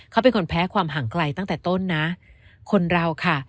เขาเป็นคนแพ้ความห่างไกลตั้งแต่ต้นนะคนเราค่ะ